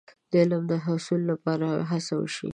د علم د حصول لپاره باید هڅه وشي.